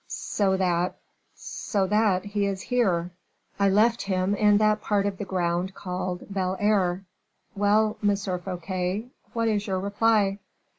"So that " "So that he is here; I left him in that part of the ground called Bel Air. Well, M. Fouquet, what is your reply?"